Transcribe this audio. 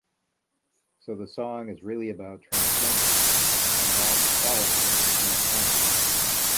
So the song is really about transcending and about the quality of the transcendent.